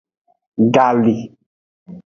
Gali.